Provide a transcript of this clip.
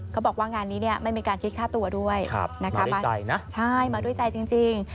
เขาบอกว่างานนี้เนี่ยไม่มีการคิดค่าตัวด้วยนะคะมาใจนะใช่มาด้วยใจจริง